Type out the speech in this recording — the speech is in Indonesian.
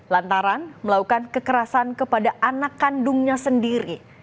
lantaran melakukan kekerasan kepada anak kandungnya sendiri